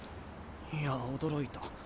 いや驚いた。